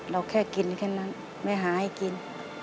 เราแค่กินแค่นั้นไม่หาให้กิน